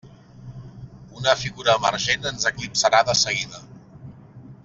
Una figura emergent ens eclipsarà de seguida.